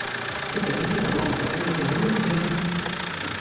Дык такім чынам можна пакінуць яго нязменным.